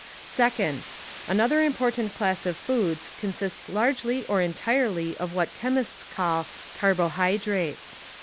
Second: Another important class of foods consists largely or entirely of what chemists call carhoJiydrates.